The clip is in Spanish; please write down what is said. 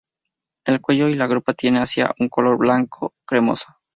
El cuello y la grupa tiende hacia un color blanco cremoso.